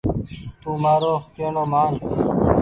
تو مآرو ڪيهڻو مان ۔